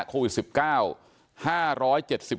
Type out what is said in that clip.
โควิด๑๙